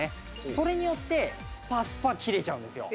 それによってスパスパ切れちゃうんですよ。